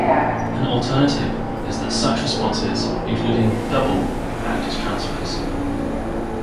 An alternative is that such responses, including "double", act as transfers.